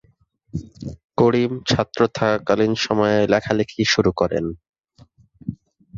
করিম ছাত্র থাকাকালীন সময়ে লেখালেখি শুরু করেন।